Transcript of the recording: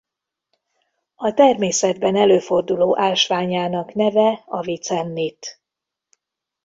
A természetben előforduló ásványának neve avicennit.